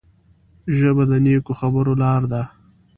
ژبه د نیکو خبرو لاره ده